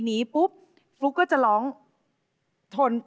ไม่รู้เลย